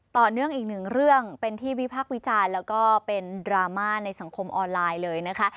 ต่อเนื่องอีกหนึ่งเรื่องเป็นที่วิพักษ์วิจารณ์แล้วก็เป็นดราม่าในสังคมออนไลน์เลยนะคะ